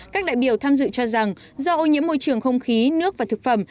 các đại biểu tham dự cho rằng do ô nhiễm môi trường không khí nước và thực phẩm